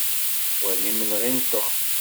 Wa d imenɣi n Tom.